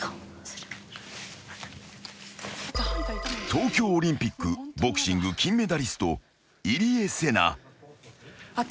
［東京オリンピックボクシング金メダリスト入江聖奈］